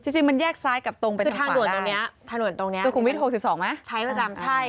จริงมันแยกซ้ายกับตรงไปถึงขวาได้ส่วนขุมวิท๖๒ไหมใช้ประจำใช่